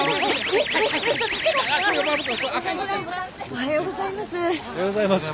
おはようございます。